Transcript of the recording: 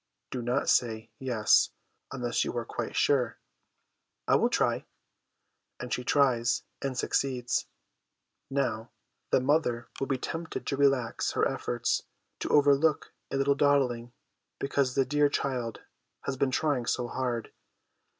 'Do not say " yes " unless you are quite sure.' ' I will try.' And she tries, and succeeds. Now, the mother will be tempted to relax her efforts to overlook a little dawdling because the dear child has been trying so hard.